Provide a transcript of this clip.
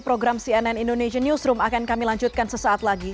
program cnn indonesia newsroom akan kami lanjutkan sesaat lagi